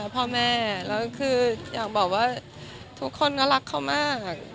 พ่อแม่แล้วคืออยากบอกว่าทุกคนก็รักเขามาก